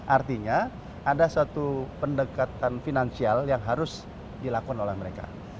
artinya ada satu pendekatan finansial yang harus dilakukan oleh mereka